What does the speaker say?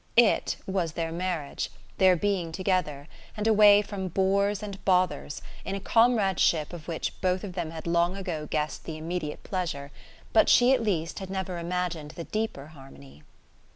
"It" was their marriage, their being together, and away from bores and bothers, in a comradeship of which both of them had long ago guessed the immediate pleasure, but she at least had never imagined the deeper harmony.